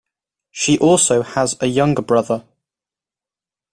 She also has a younger brother.